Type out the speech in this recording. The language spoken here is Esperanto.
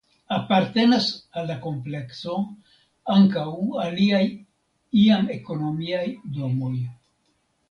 Apartenas al la komplekso ankaŭ aliaj iam ekonomiaj domoj.